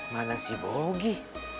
mana si bogi